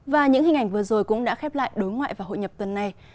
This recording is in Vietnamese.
và những hình ảnh vừa rồi cũng đã khép lại đối ngoại và hội nhập tuần này